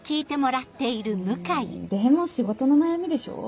んでも仕事の悩みでしょ？